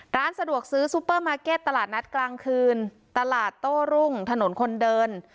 ร้านสะดวกซื้อซูเปอร์มาร์เก็ตตลาดนัดกลางคืนตลาดโต้รุ่งถนนคนเดิน